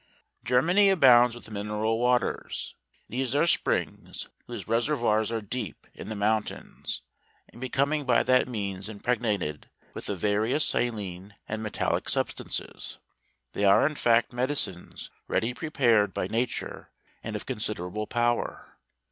Germany abounds with mineral w aters. These are springs, whose reservoirs are deep in the mountains, and becoming by that means impreg¬ nated with various saline and metallic substances, they are in fact medicines ready prepared by na¬ ture and of considerable power.